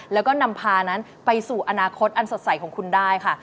แล้วก็นำพานั้นไปสู่อนาคตอันสดใสของคุณได้ค่ะ